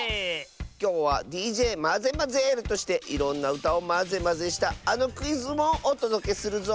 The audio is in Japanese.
きょうはＤＪマゼマゼールとしていろんなうたをマゼマゼしたあのクイズもおとどけするぞ！